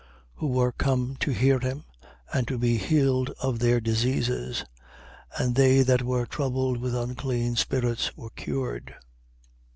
Who were come to hear him and to be healed of their diseases. And they that were troubled with unclean spirits were cured.